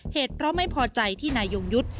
เหตุเพราะไม่พอใจที่นายยงยุทธ์